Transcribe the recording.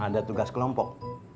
ada tugas kelompok